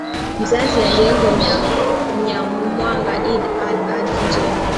mzazi aliyeko nyamwanga idd al hajj njema